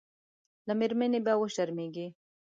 له مېرمنې به وشرمېږي.